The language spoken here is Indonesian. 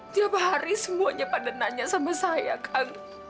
tiap hari semuanya pada nanya sama saya kan